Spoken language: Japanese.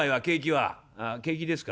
「あっ景気ですか。